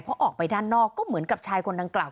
พอออกไปด้านนอกก็เหมือนกับชายคนดังกล่าว